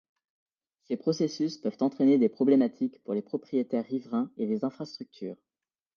Ces processus peuvent entrainer des problématiques pour les propriétaires riverains et les infrastructures.